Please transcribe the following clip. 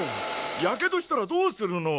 やけどしたらどうするの！